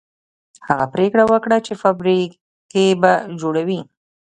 هغه پرېکړه وکړه چې فابريکې به جوړوي.